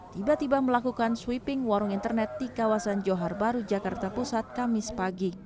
tiba tiba melakukan sweeping warung internet di kawasan johar baru jakarta pusat kamis pagi